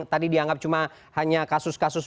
tadi dianggap cuma hanya kasus kasus